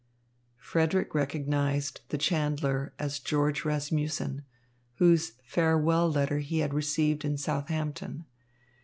Frederick recognised the chandler as George Rasmussen, whose farewell letter he had received in Southampton.